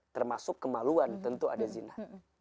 termasuk kemaluan tentu ada zina